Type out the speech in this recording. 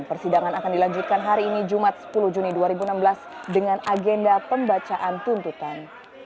persidangan akan dilanjutkan hari ini jumat sepuluh juni dua ribu enam belas dengan agenda pembacaan tuntutan